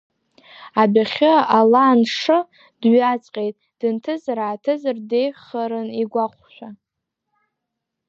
Адәахьы ала аншы, дҩаҵҟьеит, дынҭыҵ-ааҭыҵыр деиӷьхарын игәахәшәа.